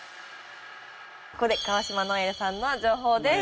ここで川島如恵留さんの情報です。